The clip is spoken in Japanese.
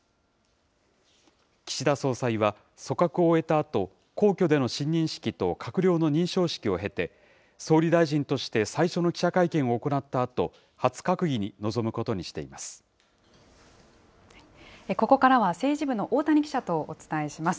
岸田総裁は、組閣を終えたあと、皇居での親任式と閣僚の認証式を経て、総理大臣として最初の記者会見を行ったあと、初閣議に臨むここからは政治部の大谷記者とお伝えします。